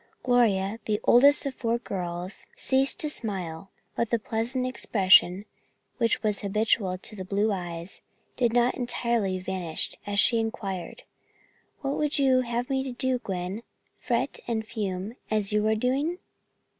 Gloria, the oldest of the four girls, ceased to smile but the pleasant expression, which was habitual to the blue eyes, did not entirely vanish as she inquired, "What would you have me do, Gwen? Fret and fume as you are doing?